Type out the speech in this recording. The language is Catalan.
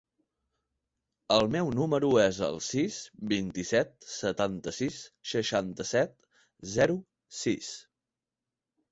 El meu número es el sis, vint-i-set, setanta-sis, seixanta-set, zero, sis.